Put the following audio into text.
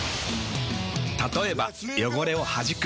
たとえば汚れをはじく。